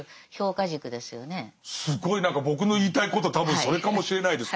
すごい何か僕の言いたいこと多分それかもしれないです。